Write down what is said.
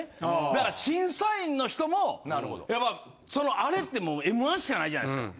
だから審査員の人もやっぱそのあれってもう『Ｍ−１』しかないじゃないですか。